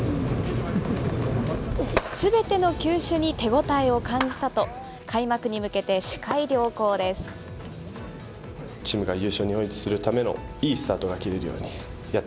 すべての球種に手応えを感じたと、開幕に向けて視界良好です。